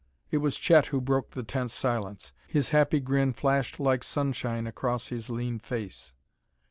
It was Chet who broke the tense silence; his happy grin flashed like sunshine across his lean face.